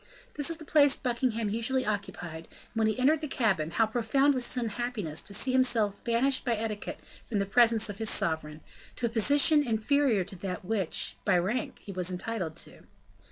This was the place Buckingham usually occupied; and when he entered the cabin, how profound was his unhappiness to see himself banished by etiquette from the presence of his sovereign, to a position inferior to that which, by rank, he was entitled to.